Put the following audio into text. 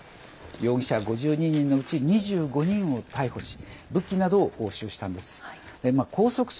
容疑者５２人のうち２５人を逮捕し武器などを押収したんです。